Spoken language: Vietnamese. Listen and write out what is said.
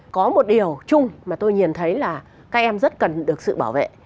có một điều chung mà tôi nhìn thấy là các em rất cần được sự bảo vệ